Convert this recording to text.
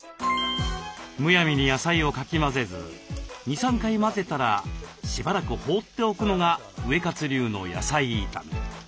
むやみに野菜をかき混ぜず２３回混ぜたらしばらく放っておくのがウエカツ流の野菜炒め。